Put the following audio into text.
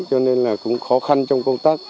cho nên là cũng khó khăn trong công tác